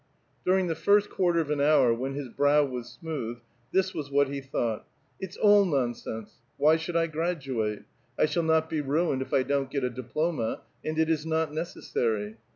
During the first quarter of an hour, when his brow was smooth, this was what he thought, "It's all nonsense; why shoukl I graduate? I shall not be ruined if I don't get a diploma, and it is not necessary.